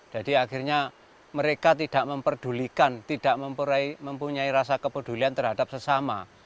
jadi akhirnya mereka tidak memperdulikan tidak mempunyai rasa kepedulian terhadap sesama